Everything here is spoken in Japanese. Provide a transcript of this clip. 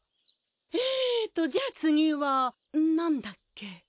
えっとじゃあ次はなんだっけ？